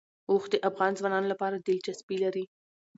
اوښ د افغان ځوانانو لپاره دلچسپي لري.